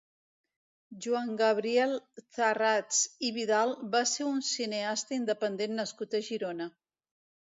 Joan-Gabriel Tharrats i Vidal va ser un cineasta independent nascut a Girona.